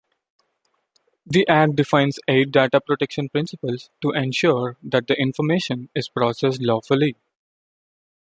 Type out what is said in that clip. The Act defines eight data protection principles to ensure that information is processed lawfully.